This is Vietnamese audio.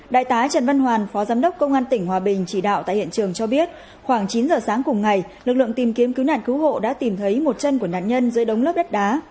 đại tá trần văn hoàn phó giám đốc công an tỉnh hòa bình chỉ đạo tại hiện trường cho biết khoảng chín giờ sáng cùng ngày lực lượng tìm kiếm cứu nạn cứu hộ đã tìm thấy một chân của nạn nhân dưới đống lấp đất đá